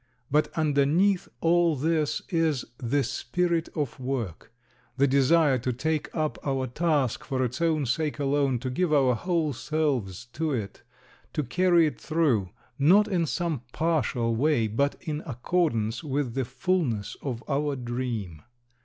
But underneath all this is the spirit of work the desire to take up our task for its own sake alone, to give our whole selves to it, to carry it through, not in some partial way, but in accordance with the fulness of our dream.